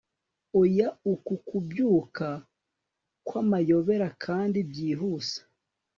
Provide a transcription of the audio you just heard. Oya Uku kubyuka kwamayobera kandi byihuse